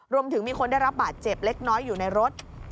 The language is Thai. รวมถึงมีคนได้รับบาดเจ็บเล็กน้อยอยู่ในรถ